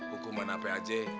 hukuman apa aja